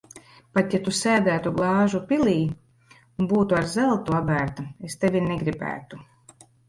Pat ja Tu sēdētu glāžu pilī un būtu ar zeltu apbērta, es tevi negribētu.